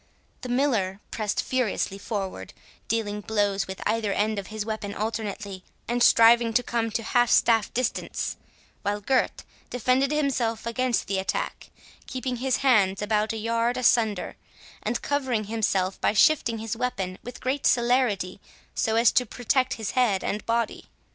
The Miller pressed furiously forward, dealing blows with either end of his weapon alternately, and striving to come to half staff distance, while Gurth defended himself against the attack, keeping his hands about a yard asunder, and covering himself by shifting his weapon with great celerity, so as to protect his head and body.